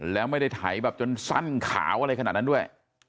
แล้วไม่ได้ไถแบบจนสั้นขาวอะไรขนาดนั้นด้วย